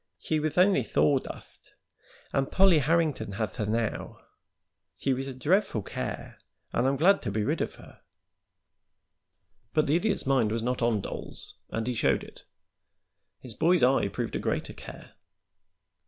"She wath only thawdust, and Pollie Harrington hath her now. She was a drefful care, and I'm glad to be ridden of her." But the Idiot's mind was not on dolls, and he showed it. His boy's eye proved a greater care.